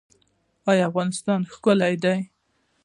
آیا افغانستان ښکلی دی؟